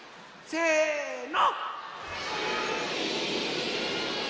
せの！